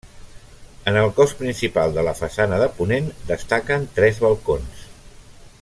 En el cos principal de la façana de ponent destaquen tres balcons.